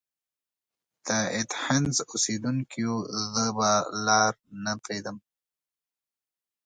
د ایتهنز اوسیدونکیو! زه به لار نه پريږدم.